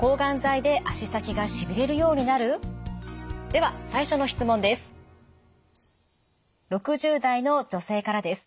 では最初の質問です。